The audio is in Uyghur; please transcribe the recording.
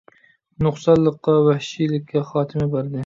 نۇقسانلىققا، ۋەھشىيلىككە خاتىمە بەردى.